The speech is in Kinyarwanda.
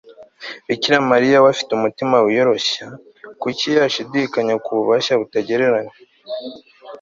bikira mariya we afite umutima wiyoroshya, kuki yashidikanya ku bubasha butagereranywa